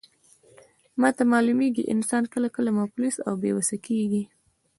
ماته معلومیږي، انسان کله کله مفلس او بې وسه کیږي.